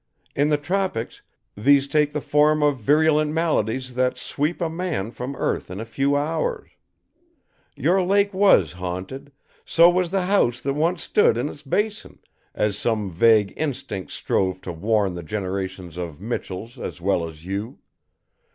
In the tropics, these take the form of virulent maladies that sweep a man from earth in a few hours. Your lake was haunted, so was the house that once stood in its basin, as some vague instinct strove to warn the generations of Michells as well as you.